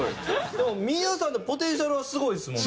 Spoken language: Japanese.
でも皆さんのポテンシャルはすごいですもんね。